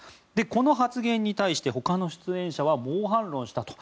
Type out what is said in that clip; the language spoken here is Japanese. この発言に対してほかの出演者は猛反論したと。